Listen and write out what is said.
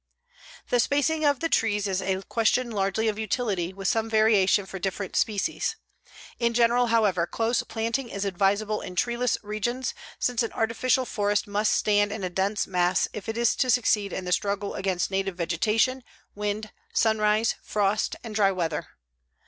The spacing of the trees is a question largely of utility, with some variation for different species. In general, however, close planting is advisable in treeless regions, since an artificial forest must stand in a dense mass if it is to succeed in the struggle against native vegetation, wind, sunshine, frost and dry weather.